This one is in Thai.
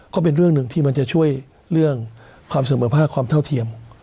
ก็เป็นเรื่องหนึ่งที่มันจะช่วยเรื่องความเสมอภาคความเท่าเทียม